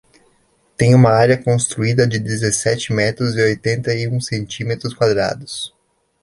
Tem uma área construída de dezessete metros e oitenta e um centímetros quadrados.